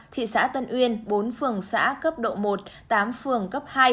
thị xã tân uyên bốn phường xã cấp độ một tám phường cấp hai